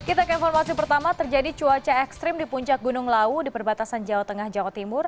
kita ke informasi pertama terjadi cuaca ekstrim di puncak gunung lau di perbatasan jawa tengah jawa timur